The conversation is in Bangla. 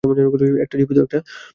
একটা জীবিত, একটা মৃত।